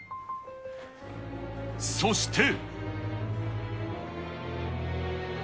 そして。